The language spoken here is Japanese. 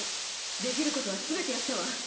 できることはすべてやったわ。